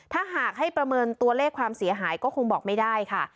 ถ้าหากให้ประเมินตัวเลขความเสียหายก็คงบอกไม่ได้ค่ะ